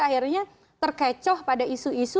akhirnya terkecoh pada isu isu